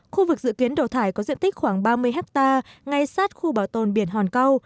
khu vực dự kiến đổ thải có diện tích khoảng ba mươi hectare ngay sát khu bảo tồn biển hòn câu